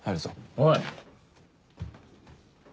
おい！